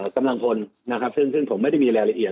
กำลังพลนะครับซึ่งผมไม่ได้มีรายละเอียด